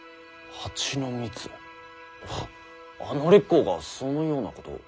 あの烈公がそのようなことを。